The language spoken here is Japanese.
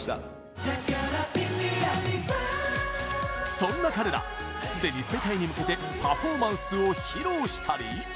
そんな彼らすでに世界に向けてパフォーマンスを披露したり。